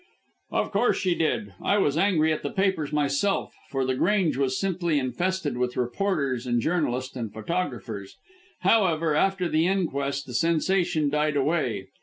"Of course she did. I was angry at the papers myself, for The Grange was simply infested with reporters and journalists and photographers. However, after the inquest the sensation died away.